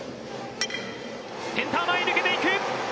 センター前抜けていく！